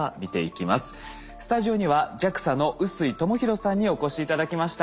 スタジオにはＪＡＸＡの臼井寛裕さんにお越し頂きました。